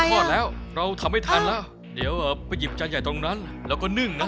ไม่ใช่ที่เราทำแต้ไม่ทันแล้วเดี๋ยวไปหยิบจานใหญ่ตรงนั้นเราก็นึ่ง